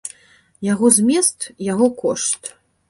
Яго змест, яго кошт.